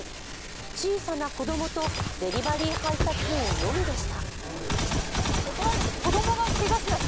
小さな子どもとデリバリー配達員のみでした。